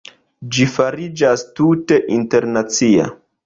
Ĝi fariĝas tute internacia.